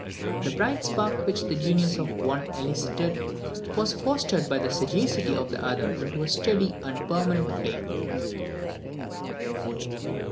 The bright spark which the genius of the one elicited, was fostered by the sagacity of the other into a steady and a permanent flame.